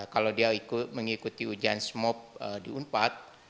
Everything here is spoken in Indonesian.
kalau dia mengikuti ujian smop di unpad